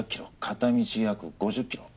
片道約５０キロ。